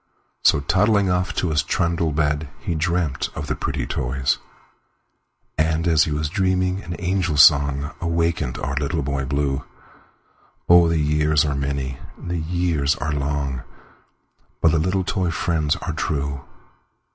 So, toddling off to his trundle bed, He dreamt of the pretty toys; And, as he was dreaming, an angel songAwakened our Little Boy Blue—Oh! the years are many, the years are long, But the little toy friends are true!